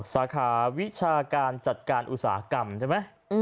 สาขาวิชาการจัดการอุตสาหกรรมใช่ไหม